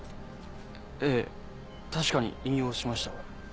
ええ確かに引用しました。